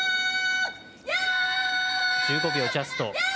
１５秒ジャスト。